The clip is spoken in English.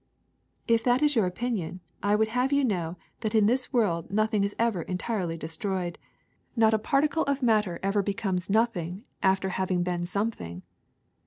'' ''If that is your opinion I would have you know that in this world nothing is 'ever entirely destroyed, not a particle of matter ever becomes nothing after 124 COMBUSTION 1^5 having been something.